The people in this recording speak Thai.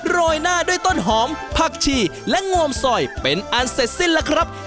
โรยหน้าด้วยต้นหอมผักชีและงวมซอยเป็นอันเสร็จสิ้นล่ะครับ